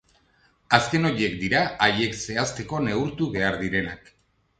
Azken horiek dira haiek zehazteko neurtu behar direnak.